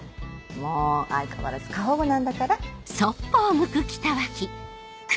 もう相変わらず過保護なんだから。